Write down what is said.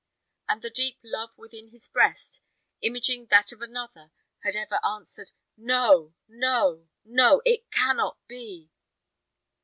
And the deep love within his breast, imaging that of another, had ever answered, "No, no, no! It cannot be."